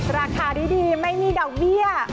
ราคาดีไม่มีดอกเบี้ย